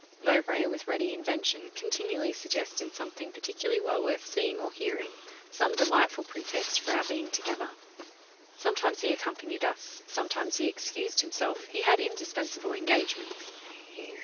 Mowbray, with ready invention, continually suggested something particularly well worth seeing or hearing, some delightful pretext for our being together. Sometimes he accompanied us, sometimes he excused himself he had indispensable engagements.